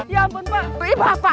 ya ampun pak